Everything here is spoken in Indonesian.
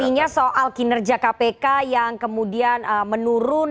artinya soal kinerja kpk yang kemudian menurun